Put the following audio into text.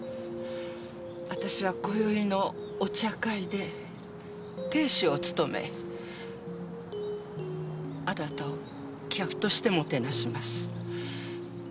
私は今宵のお茶会で亭主を務めあなたを客としてもてなします。